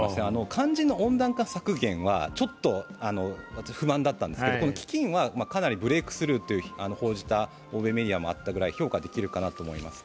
肝心の温暖化削減はちょっと不満だったんですけど、基金はかなりブレークスルーと報じた欧米メディアもあったくらい、評価できるかなと思います。